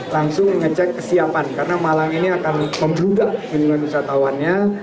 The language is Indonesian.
langsung ngecek kesiapan karena malang ini akan membrudak kebutuhan wisatawannya